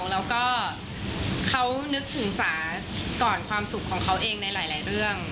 แล้วก็เขานึกถึงจ๋าก่อนความสุขของเขาเองในหลายเรื่อง